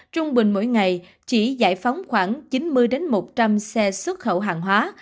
trung bình mỗi ngày chỉ giải phóng khoảng chín mươi một trăm linh xe xuất khẩu hàng hóa